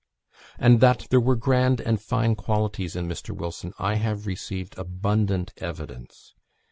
And that there were grand and fine qualities in Mr. Wilson, I have received abundant evidence.